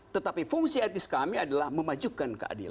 tetapi fungsi etnis kami adalah memajukan keadilan